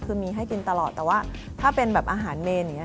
คือมีให้กินตลอดแต่ว่าถ้าเป็นอาหารเมน